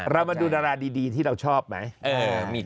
เรามาดูดาราดีที่เราชอบไหม